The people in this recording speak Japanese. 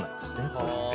こうやって。